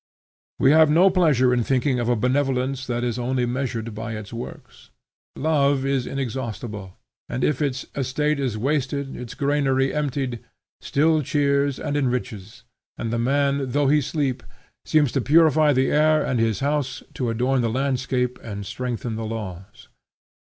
We have no pleasure in thinking of a benevolence that is only measured by its works. Love is inexhaustible, and if its estate is wasted, its granary emptied, still cheers and enriches, and the man, though he sleep, seems to purify the air and his house to adorn the landscape and strengthen the laws.